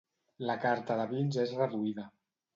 La carta de vins és reduïda.